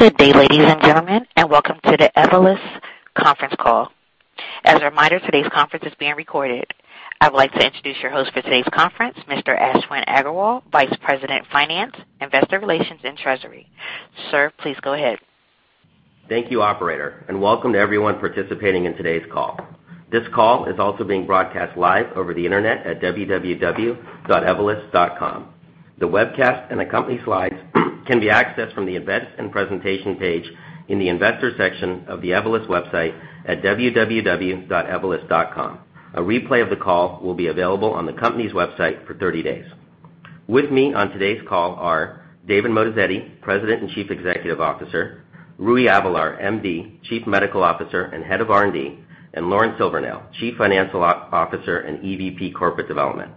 Good day, ladies and gentlemen, and welcome to the Evolus conference call. As a reminder, today's conference is being recorded. I would like to introduce your host for today's conference, Mr. Ashwin Agarwal, Vice President, Finance, Investor Relations, and Treasury. Sir, please go ahead. Thank you, operator, welcome to everyone participating in today's call. This call is also being broadcast live over the internet at www.evolus.com. The webcast and accompany slides can be accessed from the events and presentation page in the investor section of the Evolus website at www.evolus.com. A replay of the call will be available on the company's website for 30 days. With me on today's call are David Moatazedi, President and Chief Executive Officer, Rui Avelar, MD, Chief Medical Officer and Head of R&D, and Lauren Silvernail, Chief Financial Officer and EVP Corporate Development.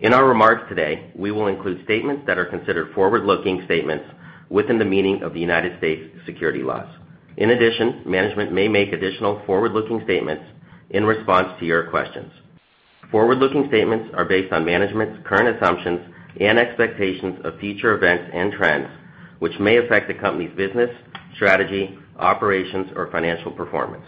In our remarks today, we will include statements that are considered forward-looking statements within the meaning of the U.S. security laws. In addition, management may make additional forward-looking statements in response to your questions. Forward-looking statements are based on management's current assumptions and expectations of future events and trends, which may affect the company's business, strategy, operations, or financial performance.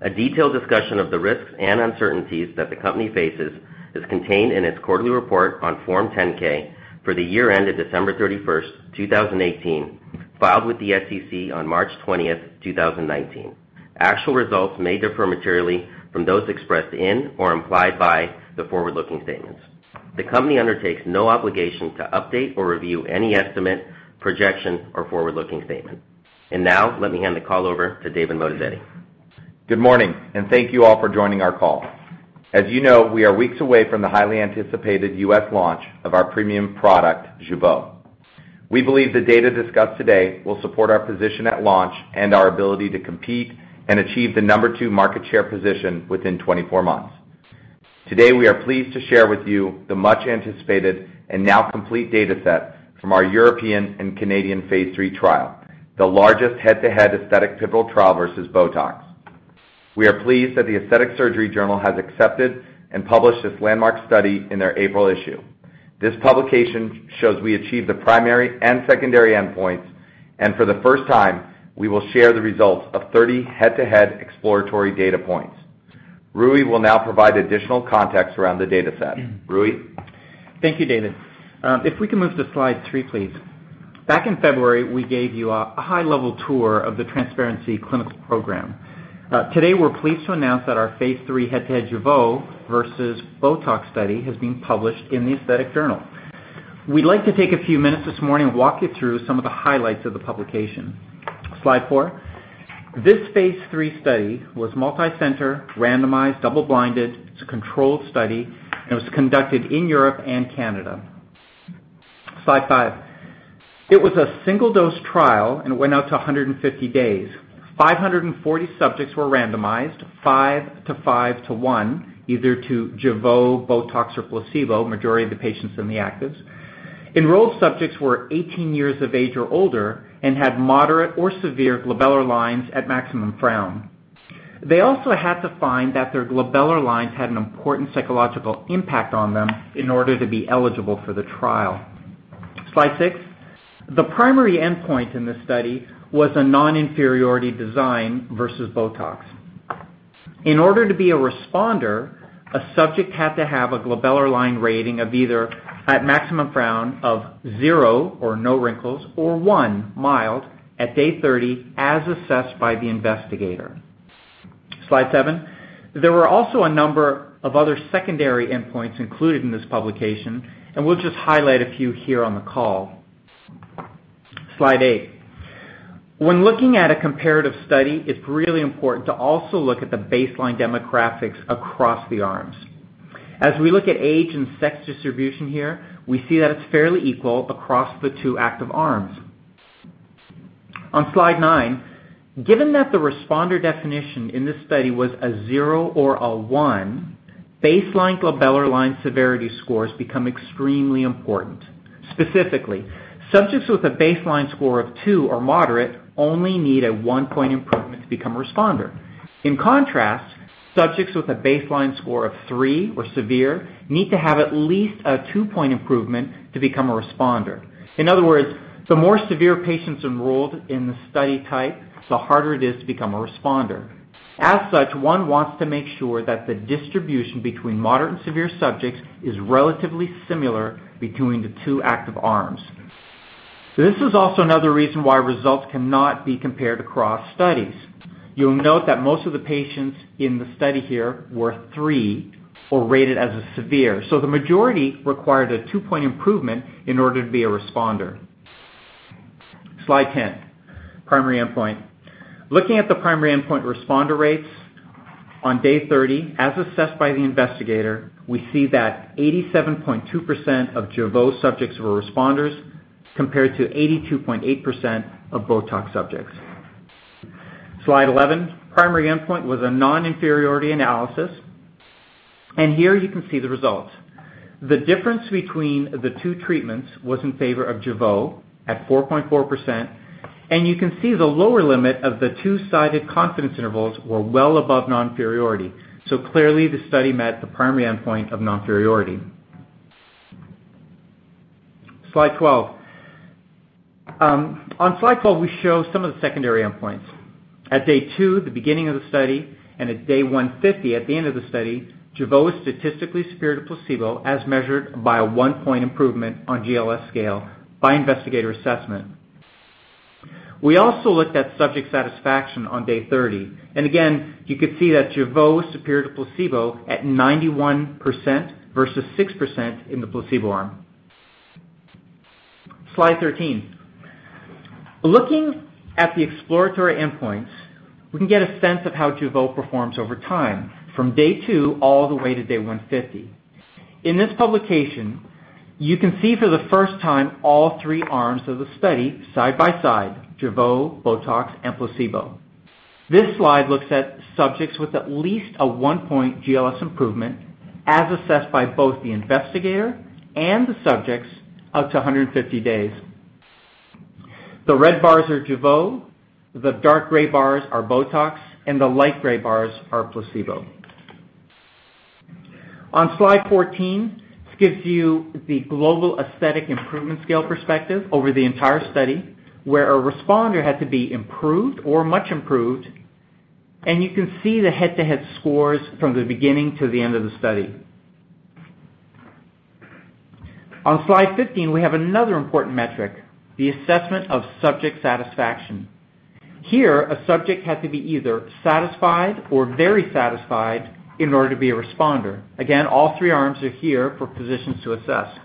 A detailed discussion of the risks and uncertainties that the company faces is contained in its quarterly report on Form 10-K for the year ended December 31st, 2018, filed with the SEC on March 20th, 2019. Actual results may differ materially from those expressed in or implied by the forward-looking statements. The company undertakes no obligation to update or review any estimate, projection, or forward-looking statement. Now, let me hand the call over to David Moatazedi. Good morning, thank you all for joining our call. As you know, we are weeks away from the highly anticipated U.S. launch of our premium product, Jeuveau. We believe the data discussed today will support our position at launch and our ability to compete and achieve the number two market share position within 24 months. Today, we are pleased to share with you the much-anticipated and now complete data set from our European and Canadian phase III trial, the largest head-to-head aesthetic pivotal trial versus BOTOX. We are pleased that the Aesthetic Surgery Journal has accepted and published this landmark study in their April issue. This publication shows we achieved the primary and secondary endpoints, for the first time, we will share the results of 30 head-to-head exploratory data points. Rui will now provide additional context around the data set. Rui? Thank you, David. If we can move to slide three, please. Back in February, we gave you a high-level tour of the TRANSPARENCY clinical program. Today, we're pleased to announce that our phase III head-to-head Jeuveau versus BOTOX study has been published in the Aesthetic Surgery Journal. We'd like to take a few minutes this morning and walk you through some of the highlights of the publication. Slide four. This phase III study was multi-center, randomized, double-blinded. It's a controlled study, and it was conducted in Europe and Canada. Slide five. It was a single-dose trial, and it went out to 150 days. 540 subjects were randomized, five to five to one, either to Jeuveau, BOTOX, or placebo. Majority of the patients in the actives. Enrolled subjects were 18 years of age or older and had moderate or severe glabellar lines at maximum frown. They also had to find that their glabellar lines had an important psychological impact on them in order to be eligible for the trial. Slide six. The primary endpoint in this study was a non-inferiority design versus BOTOX. In order to be a responder, a subject had to have a glabellar line rating of either at maximum frown of zero or no wrinkles, or one, mild, at day 30, as assessed by the investigator. Slide seven. There were also a number of other secondary endpoints included in this publication, and we'll just highlight a few here on the call. Slide eight. When looking at a comparative study, it's really important to also look at the baseline demographics across the arms. As we look at age and sex distribution here, we see that it's fairly equal across the two active arms. On slide nine, given that the responder definition in this study was a zero or a one, baseline glabellar line severity scores become extremely important. Specifically, subjects with a baseline score of two or moderate only need a one-point improvement to become a responder. In contrast, subjects with a baseline score of three or severe need to have at least a two-point improvement to become a responder. In other words, the more severe patients enrolled in the study type, the harder it is to become a responder. As such, one wants to make sure that the distribution between moderate and severe subjects is relatively similar between the two active arms. This is also another reason why results cannot be compared across studies. You'll note that most of the patients in the study here were three or rated as a severe. The majority required a two-point improvement in order to be a responder. Slide 10, primary endpoint. Looking at the primary endpoint responder rates on day 30 as assessed by the investigator, we see that 87.2% of Jeuveau subjects were responders, compared to 82.8% of BOTOX subjects. Slide 11. Primary endpoint was a non-inferiority analysis, and here you can see the results. The difference between the two treatments was in favor of Jeuveau at 4.4%, and you can see the lower limit of the two-sided confidence intervals were well above non-inferiority. Clearly, the study met the primary endpoint of non-inferiority. Slide 12. On slide 12, we show some of the secondary endpoints. At day two, the beginning of the study, and at day 150, at the end of the study, Jeuveau statistically superior to placebo, as measured by a one-point improvement on GLS scale by investigator assessment. We also looked at subject satisfaction on day 30. Again, you could see that Jeuveau was superior to placebo at 91% versus 6% in the placebo arm. Slide 13. Looking at the exploratory endpoints, we can get a sense of how Jeuveau performs over time, from day two all the way to day 150. In this publication, you can see for the first time all three arms of the study side by side, Jeuveau, BOTOX, and placebo. This slide looks at subjects with at least a one-point GLS improvement, as assessed by both the investigator and the subjects, up to 150 days. The red bars are Jeuveau, the dark gray bars are BOTOX, and the light gray bars are placebo. On slide 14, this gives you the Global Aesthetic Improvement Scale perspective over the entire study, where a responder had to be improved or much improved. You can see the head-to-head scores from the beginning to the end of the study. On slide 15, we have another important metric, the assessment of subject satisfaction. Here, a subject had to be either satisfied or very satisfied in order to be a responder. Again, all three arms are here for physicians to assess.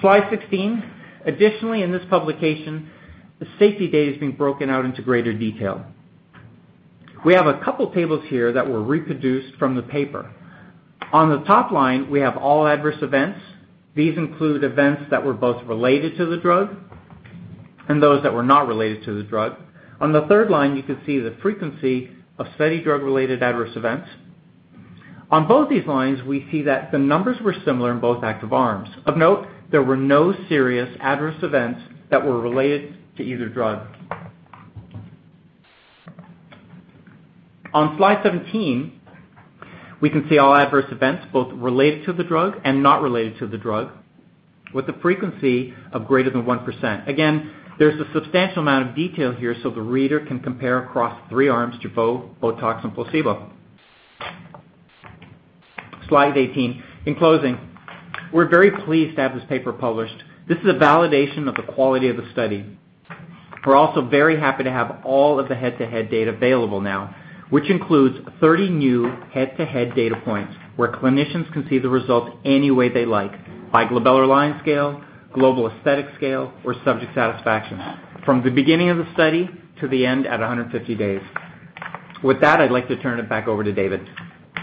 Slide 16. Additionally, in this publication, the safety data has been broken out into greater detail. We have a couple tables here that were reproduced from the paper. On the top line, we have all adverse events. These include events that were both related to the drug and those that were not related to the drug. On the third line, you can see the frequency of study drug-related adverse events. On both these lines, we see that the numbers were similar in both active arms. Of note, there were no serious adverse events that were related to either drug. On slide 17, we can see all adverse events, both related to the drug and not related to the drug, with a frequency of greater than 1%. Again, there's a substantial amount of detail here so the reader can compare across three arms, Jeuveau, BOTOX, and placebo. Slide 18. In closing, we're very pleased to have this paper published. This is a validation of the quality of the study. We're also very happy to have all of the head-to-head data available now, which includes 30 new head-to-head data points, where clinicians can see the results any way they like, by glabellar line scale, Global Aesthetic Scale, or subject satisfaction, from the beginning of the study to the end at 150 days. With that, I'd like to turn it back over to David.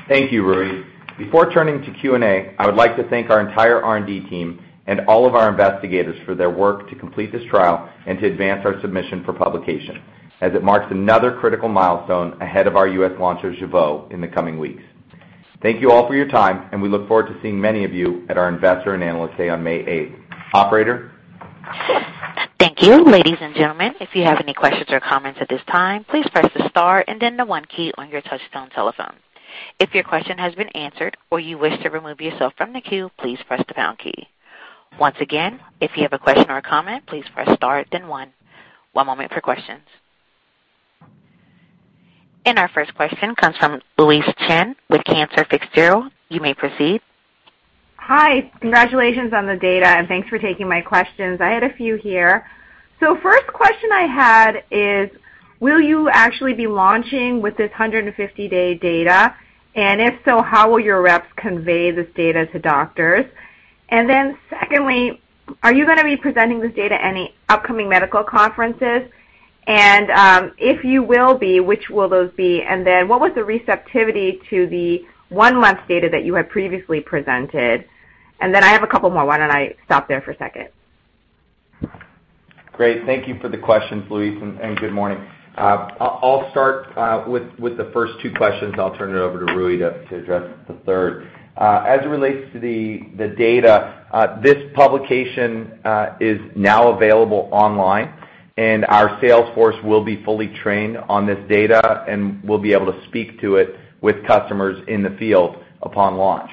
Thank you, Rui. Before turning to Q&A, I would like to thank our entire R&D team and all of our investigators for their work to complete this trial and to advance our submission for publication, as it marks another critical milestone ahead of our U.S. launch of Jeuveau in the coming weeks. Thank you all for your time, and we look forward to seeing many of you at our Investor and Analyst Day on May 8th. Operator? Thank you. Ladies and gentlemen, if you have any questions or comments at this time, please press the star and then the one key on your touchtone telephone. If your question has been answered or you wish to remove yourself from the queue, please press the pound key. Once again, if you have a question or a comment, please press star then one. One moment for questions. Our first question comes from Louise Chen with Cantor Fitzgerald. You may proceed. Hi. Congratulations on the data, thanks for taking my questions. I had a few here. First question I had is, will you actually be launching with this 150-day data? If so, how will your reps convey this data to doctors? Secondly, are you going to be presenting this data at any upcoming medical conferences? If you will be, which will those be? What was the receptivity to the one-month data that you had previously presented? I have a couple more. Why don't I stop there for a second? Great. Thank you for the questions, Louise, and good morning. I'll start with the first two questions, then I'll turn it over to Rui to address the third. As it relates to the data, this publication is now available online, our sales force will be fully trained on this data and will be able to speak to it with customers in the field upon launch.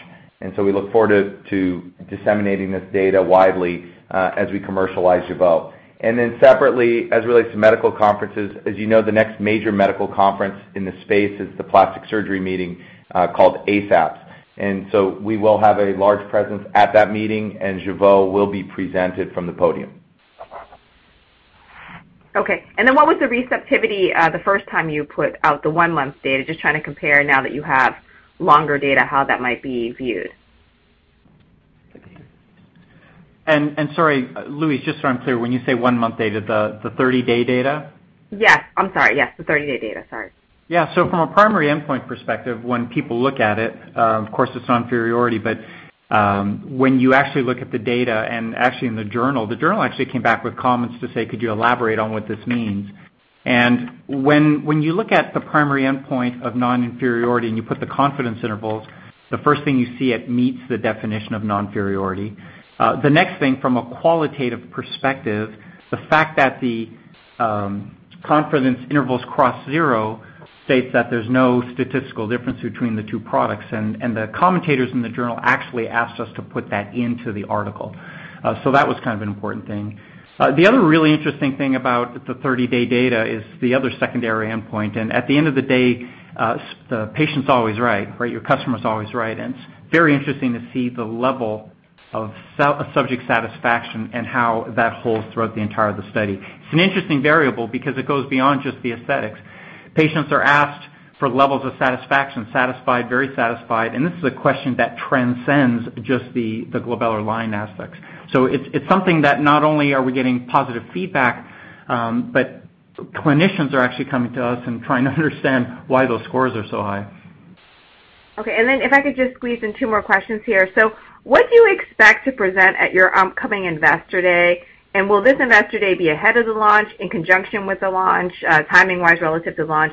We look forward to disseminating this data widely as we commercialize Jeuveau. Separately, as it relates to medical conferences, as you know, the next major medical conference in this space is the plastic surgery meeting called ASAPS. We will have a large presence at that meeting, and Jeuveau will be presented from the podium. Okay. What was the receptivity the first time you put out the one-month data? Just trying to compare now that you have longer data, how that might be viewed. Sorry, Louise, just so I'm clear, when you say one-month data, the 30-day data? Yes. I'm sorry. Yes, the 30-day data. Sorry. Yeah. From a primary endpoint perspective, when people look at it, of course, it's non-inferiority. When you actually look at the data and actually in the journal, the journal actually came back with comments to say, "Could you elaborate on what this means?" When you look at the primary endpoint of non-inferiority and you put the confidence intervals, the first thing you see, it meets the definition of non-inferiority. The next thing, from a qualitative perspective, the fact that the confidence intervals cross zero states that there's no statistical difference between the two products. The commentators in the journal actually asked us to put that into the article. That was kind of an important thing. The other really interesting thing about the 30-day data is the other secondary endpoint. At the end of the day, the patient's always right. Your customer's always right. It's very interesting to see the level of subject satisfaction and how that holds throughout the entire study. It's an interesting variable because it goes beyond just the aesthetics. Patients are asked for levels of satisfaction, satisfied, very satisfied, and this is a question that transcends just the glabella line aspects. It's something that not only are we getting positive feedback, but clinicians are actually coming to us and trying to understand why those scores are so high. If I could just squeeze in two more questions here. What do you expect to present at your upcoming investor day, and will this investor day be ahead of the launch, in conjunction with the launch, timing-wise relative to launch?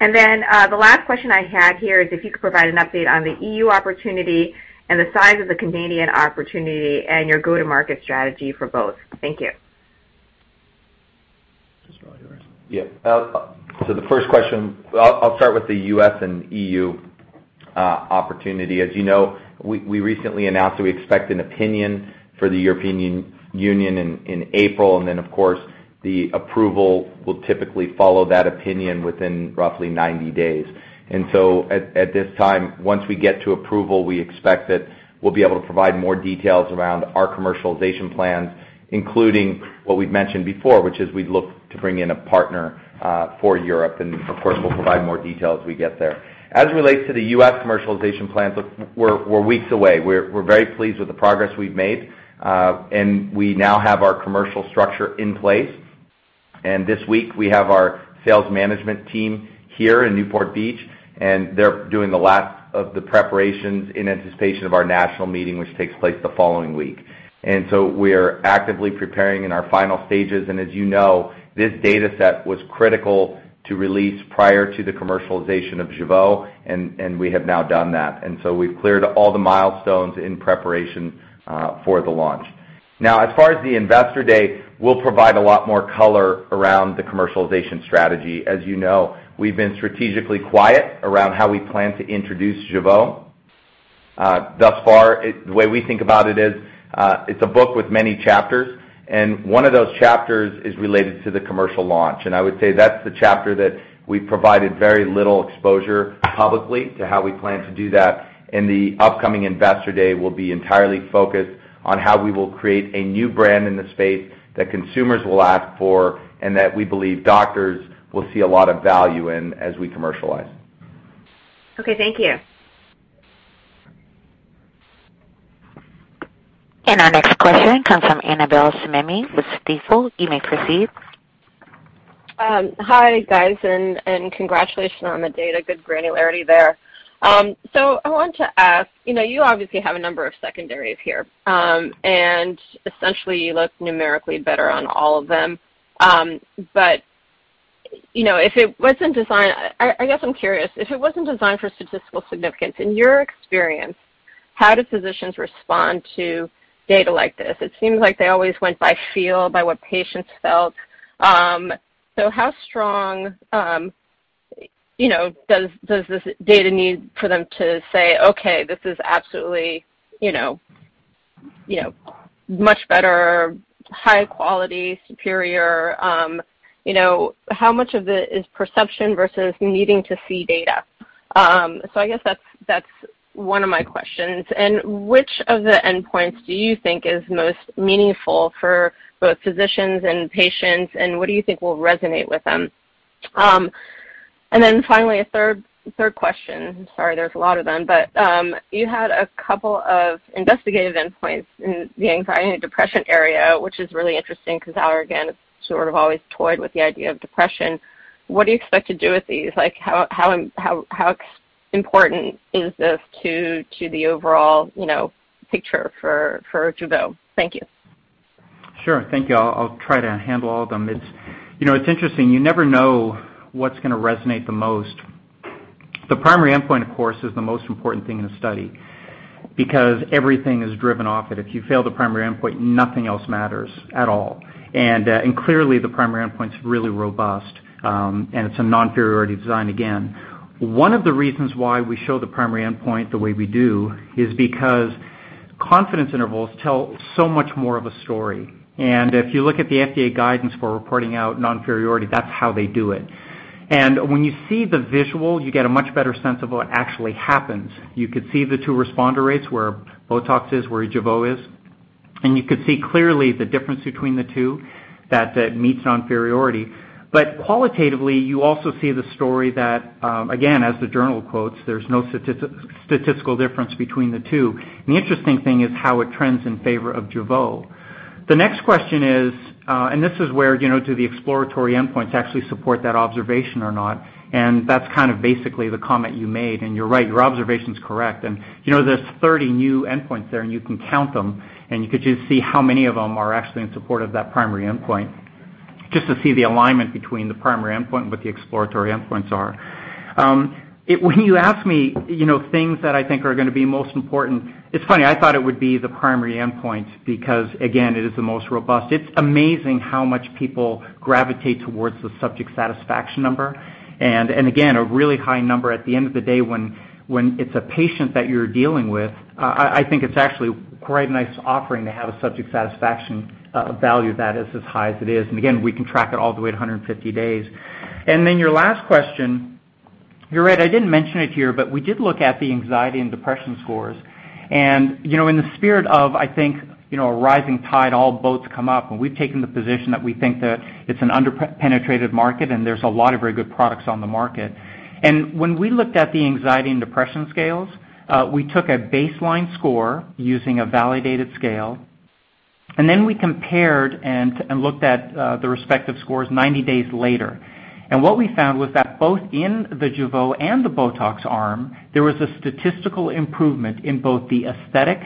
The last question I had here is if you could provide an update on the E.U. opportunity and the size of the Canadian opportunity and your go-to-market strategy for both. Thank you. This is all yours. The first question, I'll start with the U.S. and E.U. opportunity. As you know, we recently announced that we expect an opinion for the European Union in April, and then of course, the approval will typically follow that opinion within roughly 90 days. At this time, once we get to approval, we expect that we'll be able to provide more details around our commercialization plans, including what we've mentioned before, which is we'd look to bring in a partner for Europe, and of course, we'll provide more detail as we get there. As it relates to the U.S. commercialization plans, look, we're weeks away. We're very pleased with the progress we've made. We now have our commercial structure in place. This week, we have our sales management team here in Newport Beach, and they're doing the last of the preparations in anticipation of our national meeting, which takes place the following week. We're actively preparing in our final stages. As you know, this dataset was critical to release prior to the commercialization of Jeuveau, and we have now done that. We've cleared all the milestones in preparation for the launch. Now, as far as the investor day, we'll provide a lot more color around the commercialization strategy. As you know, we've been strategically quiet around how we plan to introduce Jeuveau. Thus far, the way we think about it is, it's a book with many chapters, and one of those chapters is related to the commercial launch. I would say that's the chapter that we've provided very little exposure publicly to how we plan to do that, and the upcoming investor day will be entirely focused on how we will create a new brand in the space that consumers will ask for and that we believe doctors will see a lot of value in as we commercialize. Okay, thank you. Our next question comes from Annabel Samimy with Stifel. You may proceed. Hi, guys. Congratulations on the data. Good granularity there. I want to ask, you obviously have a number of secondaries here. Essentially you look numerically better on all of them. I guess I'm curious, if it wasn't designed for statistical significance, in your experience, how do physicians respond to data like this? It seems like they always went by feel, by what patients felt. How strong does this data need for them to say, "Okay, this is absolutely much better, high quality, superior." How much of it is perception versus needing to see data? I guess that's one of my questions. Which of the endpoints do you think is most meaningful for both physicians and patients, and what do you think will resonate with them? Finally, a third question. Sorry, there's a lot of them. You had a couple of investigative endpoints in the anxiety and depression area, which is really interesting because Allergan has sort of always toyed with the idea of depression. What do you expect to do with these? How important is this to the overall picture for Jeuveau? Thank you. Sure. Thank you. I'll try to handle all of them. It's interesting. You never know what's going to resonate the most. The primary endpoint, of course, is the most important thing in the study because everything is driven off it. If you fail the primary endpoint, nothing else matters at all. Clearly the primary endpoint's really robust. It's a non-inferiority design again. One of the reasons why we show the primary endpoint the way we do is because confidence intervals tell so much more of a story. If you look at the FDA guidance for reporting out non-inferiority, that's how they do it. When you see the visual, you get a much better sense of what actually happens. You could see the two responder rates, where BOTOX is, where Jeuveau is, and you could see clearly the difference between the two, that it meets non-inferiority. Qualitatively, you also see the story that, again, as the journal quotes, there's no statistical difference between the two. The interesting thing is how it trends in favor of Jeuveau. The next question is, this is where do the exploratory endpoints actually support that observation or not, and that's kind of basically the comment you made. You're right, your observation's correct. There's 30 new endpoints there, and you can count them, and you could just see how many of them are actually in support of that primary endpoint, just to see the alignment between the primary endpoint and what the exploratory endpoints are. When you ask me things that I think are going to be most important, it's funny, I thought it would be the primary endpoint because, again, it is the most robust. It's amazing how much people gravitate towards the subject satisfaction number, again, a really high number at the end of the day when it's a patient that you're dealing with, I think it's actually quite a nice offering to have a subject satisfaction value that is as high as it is. We can track it all the way to 150 days. Your last question, you're right, I didn't mention it here, but we did look at the anxiety and depression scores. In the spirit of, I think, a rising tide, all boats come up, we've taken the position that we think that it's an under-penetrated market, there's a lot of very good products on the market. When we looked at the anxiety and depression scales, we took a baseline score using a validated scale, we compared and looked at the respective scores 90 days later. What we found was that both in the Jeuveau and the BOTOX arm, there was a statistical improvement in both the aesthetic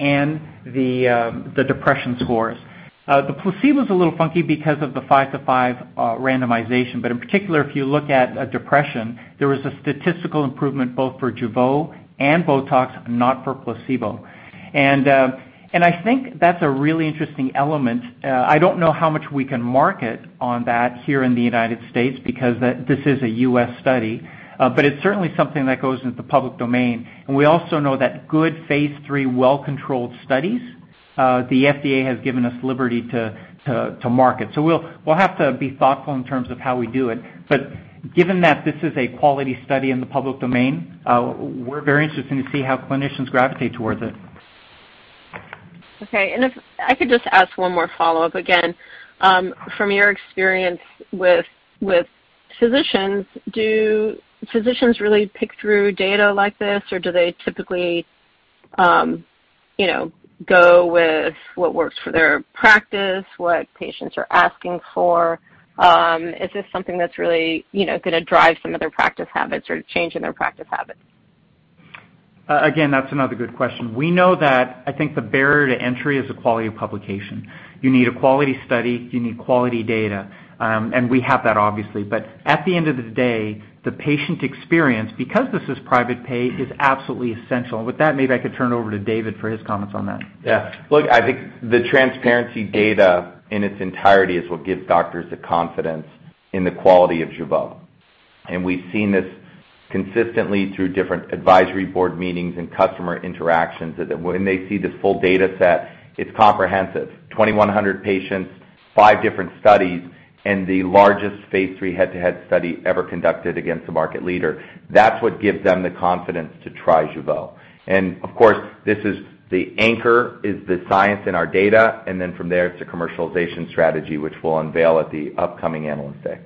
and the depression scores. The placebo is a little funky because of the five to five randomization. In particular, if you look at depression, there was a statistical improvement both for Jeuveau and BOTOX, not for placebo. I think that's a really interesting element. I don't know how much we can market on that here in the U.S. because this is a U.S. study. It's certainly something that goes into the public domain, we also know that good phase III, well-controlled studies, the FDA has given us liberty to market. We'll have to be thoughtful in terms of how we do it. Given that this is a quality study in the public domain, we're very interested to see how clinicians gravitate towards it. Okay. If I could just ask one more follow-up again. From your experience with physicians, do physicians really pick through data like this, or do they typically go with what works for their practice, what patients are asking for? Is this something that's really going to drive some of their practice habits or change in their practice habits? Again, that's another good question. We know that, I think, the barrier to entry is the quality of publication. You need a quality study, you need quality data. We have that obviously. At the end of the day, the patient experience, because this is private pay, is absolutely essential. With that, maybe I could turn it over to David for his comments on that. Yeah. Look, I think the TRANSPARENCY data in its entirety is what gives doctors the confidence in the quality of Jeuveau. We've seen this consistently through different advisory board meetings and customer interactions, that when they see this full data set, it's comprehensive. 2,100 patients, five different studies, the largest phase III head-to-head study ever conducted against a market leader. That's what gives them the confidence to try Jeuveau. Of course, this is the anchor, is the science in our data. From there, it's the commercialization strategy, which we'll unveil at the upcoming Analyst Day.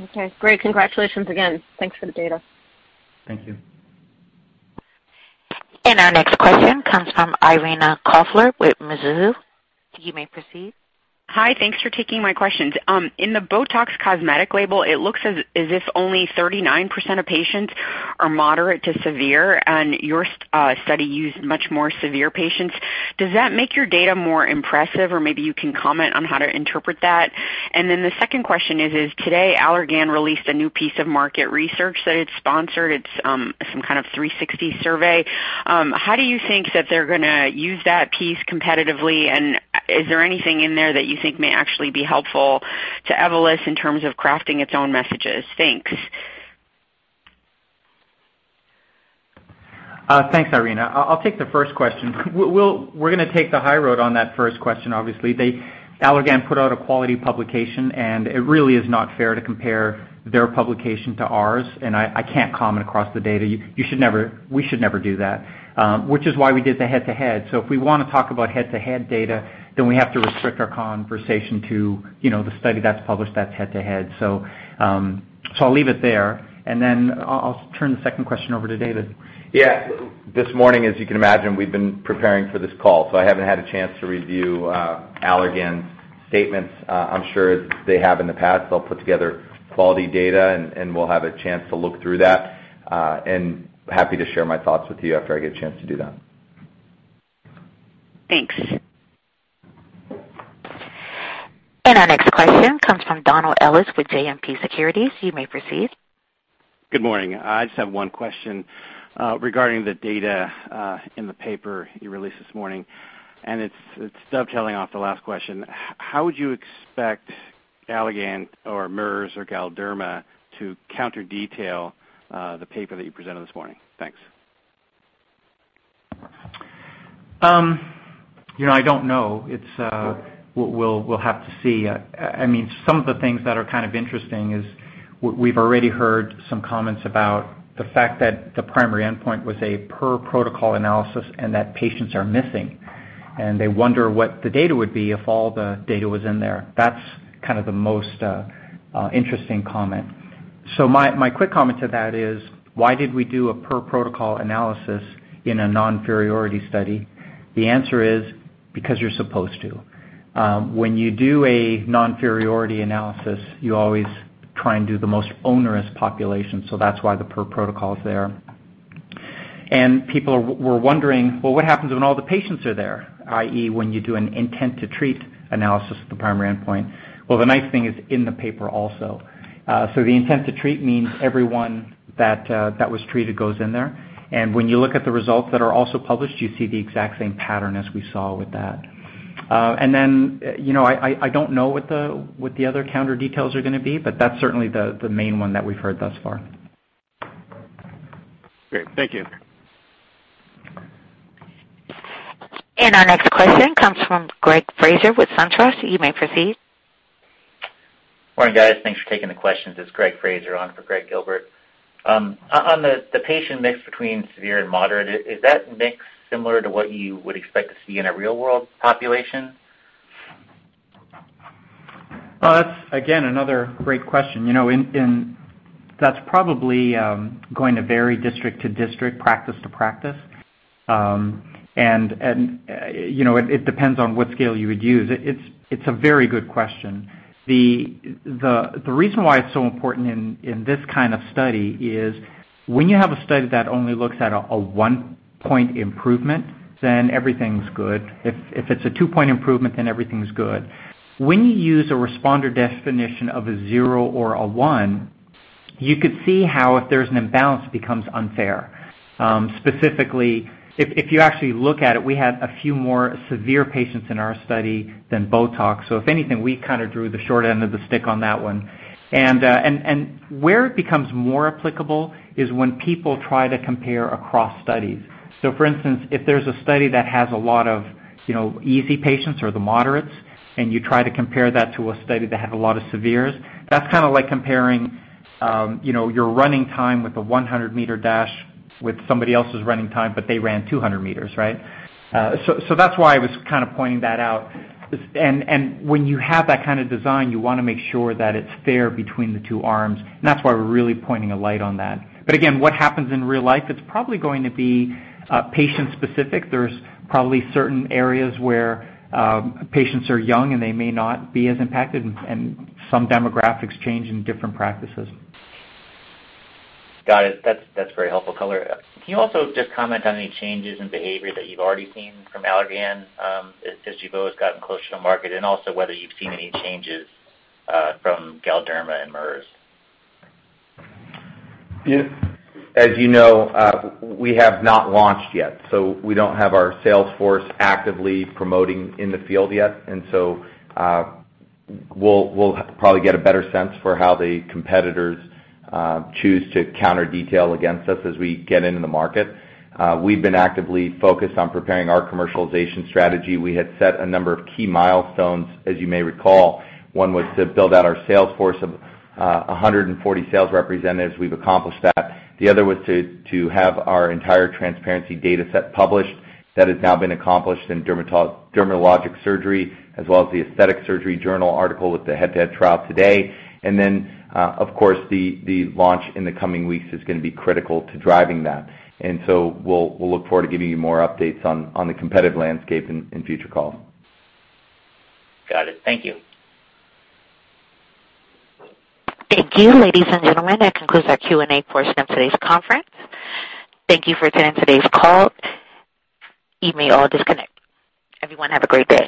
Okay. Great. Congratulations again. Thanks for the data. Thank you. Our next question comes from Irina Koffler with Mizuho. You may proceed. Hi. Thanks for taking my questions. In the BOTOX Cosmetic label, it looks as if only 39% of patients are moderate to severe, your study used much more severe patients. Does that make your data more impressive, or maybe you can comment on how to interpret that? The second question is, today Allergan released a new piece of market research that it sponsored. It's some kind of 360 survey. How do you think that they're going to use that piece competitively, and is there anything in there that you think may actually be helpful to Evolus in terms of crafting its own messages? Thanks. Thanks, Irina. I'll take the first question. We're going to take the high road on that first question, obviously. Allergan put out a quality publication, it really is not fair to compare their publication to ours, I can't comment across the data. We should never do that, which is why we did the head-to-head. If we want to talk about head-to-head data, we have to restrict our conversation to the study that's published, that's head-to-head. I'll leave it there, I'll turn the second question over to David. Yeah. This morning, as you can imagine, we've been preparing for this call, I haven't had a chance to review Allergan's statements. I'm sure as they have in the past, they'll put together quality data, we'll have a chance to look through that, happy to share my thoughts with you after I get a chance to do that. Thanks. Our next question comes from Donald Ellis with JMP Securities. You may proceed. Good morning. I just have one question regarding the data in the paper you released this morning, and it's dovetailing off the last question. How would you expect Allergan or Merz or Galderma to counter-detail the paper that you presented this morning? Thanks. I don't know. We'll have to see. Some of the things that are kind of interesting is we've already heard some comments about the fact that the primary endpoint was a per-protocol analysis and that patients are missing, and they wonder what the data would be if all the data was in there. That's kind of the most interesting comment. My quick comment to that is, why did we do a per-protocol analysis in a non-inferiority study? The answer is because you're supposed to. When you do a non-inferiority analysis, you always try and do the most onerous population, so that's why the per-protocol is there. People were wondering, well, what happens when all the patients are there, i.e., when you do an intent-to-treat analysis of the primary endpoint? The nice thing is in the paper also. The intent-to-treat means everyone that was treated goes in there. When you look at the results that are also published, you see the exact same pattern as we saw with that. I don't know what the other counter details are going to be, but that's certainly the main one that we've heard thus far. Great. Thank you. Our next question comes from Greg Fraser with SunTrust. You may proceed. Morning, guys. Thanks for taking the questions. It's Greg Fraser on for Greg Gilbert. On the patient mix between severe and moderate, is that mix similar to what you would expect to see in a real-world population? Well, that's again, another great question. That's probably going to vary district-to-district, practice-to-practice. It depends on what scale you would use. It's a very good question. The reason why it's so important in this kind of study is when you have a study that only looks at a one-point improvement, then everything's good. If it's a two-point improvement, then everything's good. When you use a responder definition of a zero or a one, you could see how, if there's an imbalance, it becomes unfair. Specifically, if you actually look at it, we had a few more severe patients in our study than BOTOX. If anything, we kind of drew the short end of the stick on that one. Where it becomes more applicable is when people try to compare across studies. For instance, if there's a study that has a lot of easy patients or the moderates, and you try to compare that to a study that had a lot of severes, that's kind of like comparing your running time with a 100 meter dash with somebody else's running time, but they ran 200 meters, right? That's why I was kind of pointing that out. When you have that kind of design, you want to make sure that it's fair between the two arms, that's why we're really pointing a light on that. Again, what happens in real life, it's probably going to be patient specific. There's probably certain areas where patients are young and they may not be as impacted, and some demographics change in different practices. Got it. That's very helpful color. Can you also just comment on any changes in behavior that you've already seen from Allergan as Jeuveau has gotten closer to market? Also whether you've seen any changes from Galderma and Merz. As you know, we have not launched yet, we don't have our sales force actively promoting in the field yet. We'll probably get a better sense for how the competitors choose to counter detail against us as we get into the market. We've been actively focused on preparing our commercialization strategy. We had set a number of key milestones, as you may recall. One was to build out our sales force of 140 sales representatives. We've accomplished that. The other was to have our entire TRANSPARENCY dataset published. That has now been accomplished in Dermatologic Surgery, as well as the Aesthetic Surgery Journal article with the head-to-head trial today. Of course, the launch in the coming weeks is going to be critical to driving that. We'll look forward to giving you more updates on the competitive landscape in future calls. Got it. Thank you. Thank you, ladies and gentlemen. That concludes our Q&A portion of today's conference. Thank you for attending today's call. You may all disconnect. Everyone have a great day.